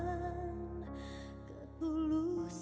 hanya dan kamu tuh boleh